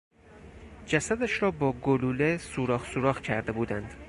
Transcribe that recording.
جسدش را با گلوله سوراخ سوراخ کرده بودند.